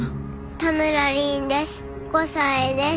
多村凛です。